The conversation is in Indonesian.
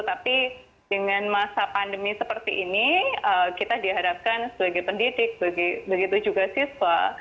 tapi dengan masa pandemi seperti ini kita diharapkan sebagai pendidik begitu juga siswa